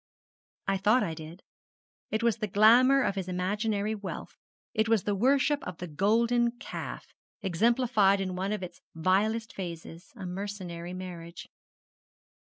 'I thought I did. It was the glamour of his imaginary wealth. It was the worship of the golden calf, exemplified in one of its vilest phases, a mercenary marriage.'